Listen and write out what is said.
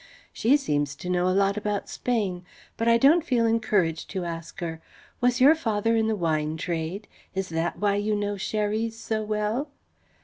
She seems to know a lot about Spain; but I don't feel encouraged to ask her: "Was your father in the wine trade? Is that why you know Xeres so well?"